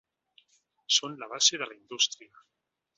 Són la base de la indústria.